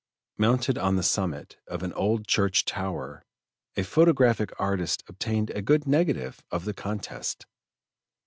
Mounted on the summit of an old church tower, a photographic artist obtained a good negative of the contest.